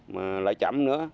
mà lại chậm nữa